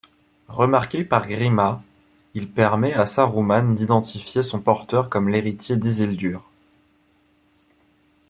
Remarqué par Gríma, il permet à Saroumane d'identifier son porteur comme l'héritier d'Isildur.